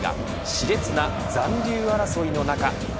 し烈な残留争いの中。